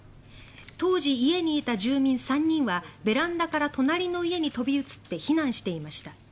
当時、家にいた住民３人はベランダから隣の家に飛び移って避難していました。